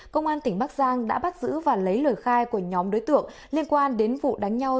công an tỉnh bắc giang đã bắt giữ và lấy lời khai của nhóm đối tượng liên quan đến vụ đánh nhau